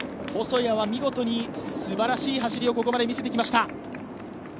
細谷は見事にすばらしい走りをここまで見せてきました。